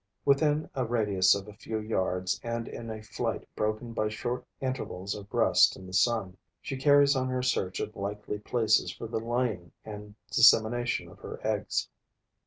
Within a radius of a few yards and in a flight broken by short intervals of rest in the sun, she carries on her search of likely places for the laying and dissemination of her eggs.